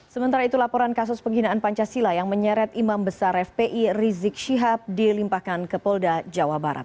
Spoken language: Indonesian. sementara itu laporan kasus penghinaan pancasila yang menyeret imam besar fpi rizik syihab dilimpahkan ke polda jawa barat